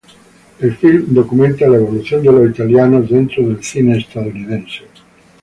El filme documenta la evolución de los italianos dentro del cine estadounidense.